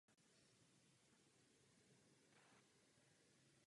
Evropa se musí stát konkurenceschopnější.